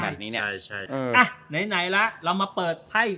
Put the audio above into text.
ใช่นั้นไว้ในไหนแล้วเรามาเปิดไพด์